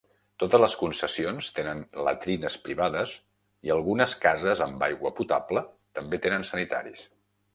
Totes les concessions tenen latrines privades i algunes cases amb aigua potable també tenen sanitaris.